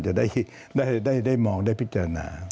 จะได้มองได้พิจารณา